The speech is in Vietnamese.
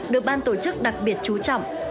được ban tổ chức đặc biệt chú trọng